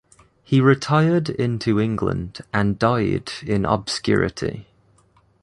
He retired into England and died in obscurity.